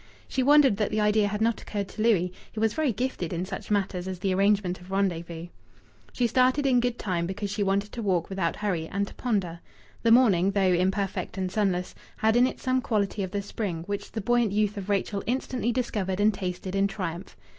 She wondered that the idea had not occurred to Louis, who was very gifted in such matters as the arrangement of rendezvous. She started in good time because she wanted to walk without hurry, and to ponder. The morning, though imperfect and sunless, had in it some quality of the spring, which the buoyant youth of Rachel instantly discovered and tasted in triumph.